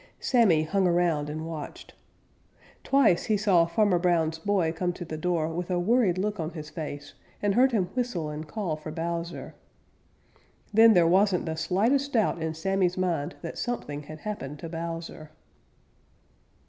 Sammy hung around and watched. Twice he saw Farmer Brown's boy come to the door with a worried look on his face and heard him whistle and call for Bowser. Then there wasn't the slightest doubt in Sammy's mind that something had happened to Bowser.